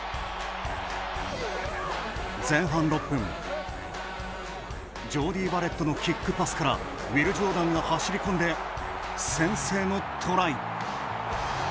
前半６分ジョーディー・バレットのキックパスからウィル・ジョーダンが走り込んで先制のトライ！